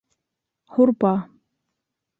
Һурпа